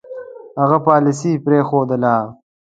هغه پالیسي پرېښودله.